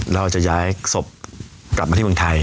เราจะย้ายศพกลับมาที่เมืองไทย